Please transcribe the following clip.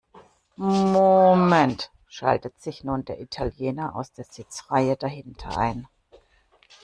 Moment!, schaltet sich nun der Italiener aus der Sitzreihe dahinter ein.